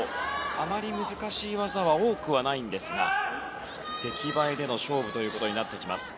あまり難しい技は多くはないんですが出来栄えでの勝負となってきます。